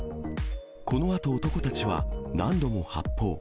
このあと男たちは何度も発砲。